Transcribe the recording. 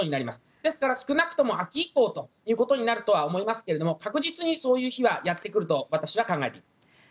ですから少なくとも秋以降ということになるとは思いますが確実にそういう日はやってくると私は考えています。